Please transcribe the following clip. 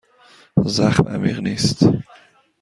زخم عمیق نیست.